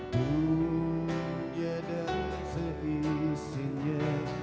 dunia dan seisinya